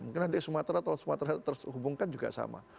mungkin nanti sumatera atau sumatera terhubungkan juga sama